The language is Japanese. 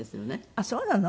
あっそうなの？